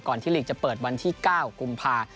ก่อนที่หลีกจะเปิดวันที่๙กุมภาพันธ์